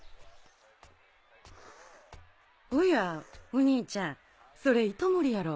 おやお兄ちゃんそれ糸守やろ。